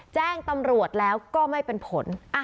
แจ้งตำรวจแล้วก็ไม่เป็นผล